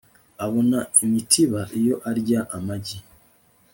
Abona imitiba iyo arya amagi